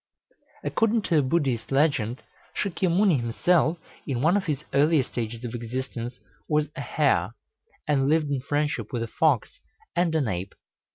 According to a Buddhist legend, Sâkyamunni himself, in one of his earlier stages of existence, was a hare, and lived in friendship with a fox and an ape.